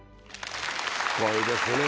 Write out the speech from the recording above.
すごいですね